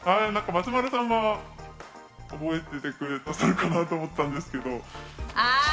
松丸さんは覚えててくれてるかなと思ったんですけど。